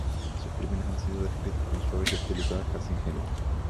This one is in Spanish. Sus imágenes han sido descritas como "suaves y estilizadas, casi ingenuas".